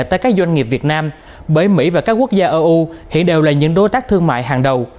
tới các doanh nghiệp việt nam bởi mỹ và các quốc gia eu hiện đều là những đối tác thương mại hàng đầu